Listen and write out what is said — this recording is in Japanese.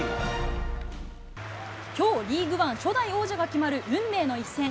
きょう、リーグワン初代王者が決まる運命の一戦。